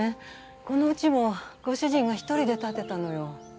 この家もご主人が１人で建てたのよ。